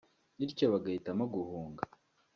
bityo bahitamo guhunga